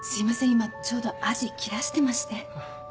今ちょうどアジ切らしてまして。